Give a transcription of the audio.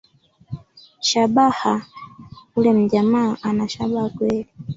Shabaha…Yule mjamaa ana shaba kweli